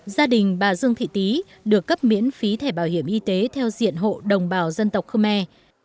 gia đình bà dương thị tý được cấp miễn phí thẻ bảo hiểm y tế theo diện hộ đồng bào dân tộc khơ me